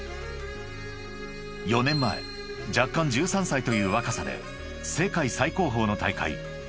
［４年前弱冠１３歳という若さで世界最高峰の大会Ｘ